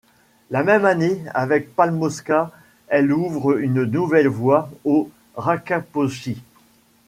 La même année, avec Palmowska, elle ouvre une nouvelle voie au Rakaposhi.